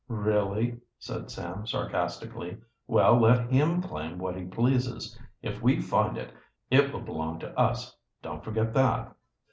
"Really?" said Sam sarcastically. "Well, let him claim what he pleases. If we find it, it will belong to us don't forget that."